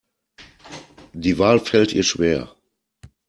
Die Wahl fällt ihr schwer.